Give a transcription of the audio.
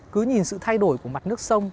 cứ nhìn sự thay đổi của mặt nước sông